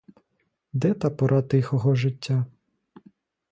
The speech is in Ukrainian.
Де та пора тихого життя?